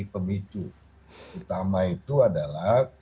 pemicu utama itu adalah